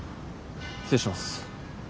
失礼します。